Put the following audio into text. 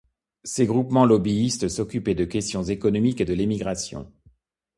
Ces groupements lobbyistes s'occupaient de questions économiques et de l'émigration.